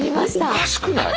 おかしくない？